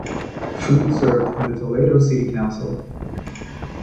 Ford served on the Toledo City Council.